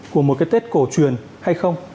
của một cái tết cổ truyền hay không